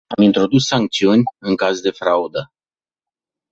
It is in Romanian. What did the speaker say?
Am introdus sancțiuni, în caz de fraudă.